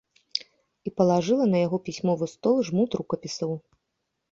І палажыла на яго пісьмовы стол жмут рукапісаў.